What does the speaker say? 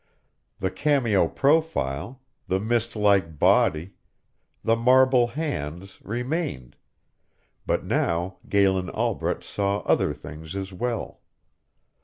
The cameo profile, the mist like body, the marble hands remained; but now Galen Albret saw other things as well.